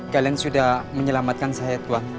kalian sudah menyelamatkan saya tuhan